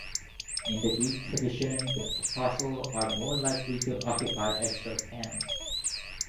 In the Greek tradition the Apostles are more likely to occupy extra panels.